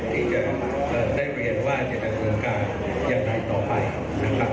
ที่จะได้เรียนว่าจะดำเนินการอย่างไรต่อไปนะครับ